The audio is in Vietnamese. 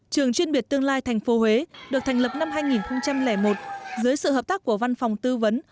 trường chuyên biệt tương lai tp huế được thành lập năm hai nghìn một dưới sự hợp tác của văn phòng tư vấn